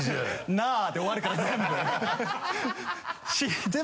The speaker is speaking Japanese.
「なぁ」で終わるから全部。